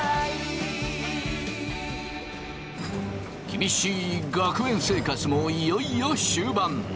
厳しい学園生活もいよいよ終盤。